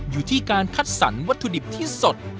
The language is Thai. อยู่ที่การคัดสรรวัตถุดิบที่สด